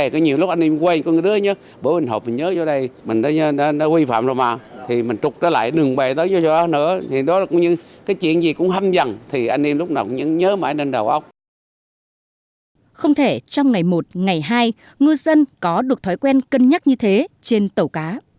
không thể trong ngày một ngày hai ngư dân có được thói quen cân nhắc như thế trên tàu cá